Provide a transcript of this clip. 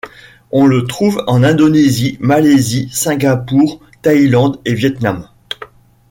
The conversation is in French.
On le trouve en Indonésie, Malaisie, Singapour, Thaïlande et Vietnam.